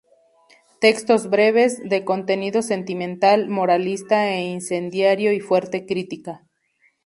Textos breves, de contenido sentimental, moralista e incendiario, y fuerte crítica.